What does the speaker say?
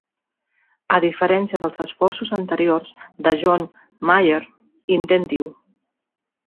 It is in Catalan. A diferència dels esforços anteriors de John Mayer, intenti-ho!